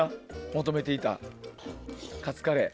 求めていたカツカレー。